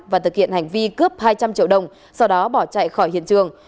và thực hiện hành vi cướp hai trăm linh triệu đồng sau đó bỏ chạy khỏi hiện trường